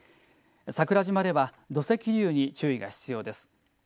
桜島では土石流に注意が必要です。